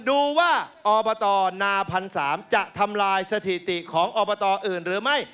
ดูว่าอบตนาพันสามจะทำลายสถิติของอบตอื่นหรือไม่